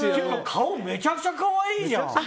顔、めちゃくちゃ可愛いじゃん。